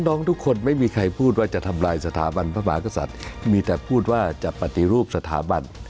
น้องทุกคนไม่มีใครพูดว่าจะทำลายสถาบันพระมหากษัตริย์มีแต่พูดว่าจะปฏิรูปสถาบัน